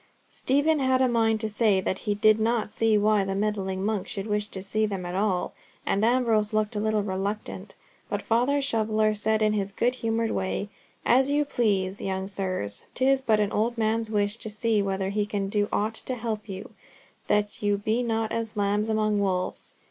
Stephen had a mind to say that he did not see why the meddling monk should wish to see them at all, and Ambrose looked a little reluctant, but Father Shoveller said in his good humoured way, "As you please, young sirs. 'Tis but an old man's wish to see whether he can do aught to help you, that you be not as lambs among wolves.